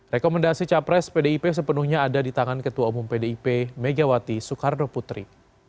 rekomendasi capres pdip sepenuhnya ada di tangan ketua umum pdip megawati soekarno putri